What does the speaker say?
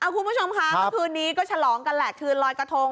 คุณผู้ชมค่ะเมื่อคืนนี้ก็ฉลองกันแหละคืนลอยกระทง